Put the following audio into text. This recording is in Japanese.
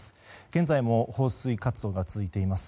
現在も放水活動が続いています。